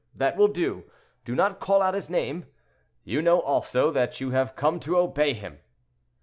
that will do; do not call out his name. You know also that you have come to obey him."